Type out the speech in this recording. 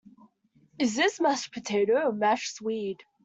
Is this mashed potato or mashed swede?